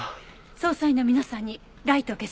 捜査員の皆さんにライトを消すように言って。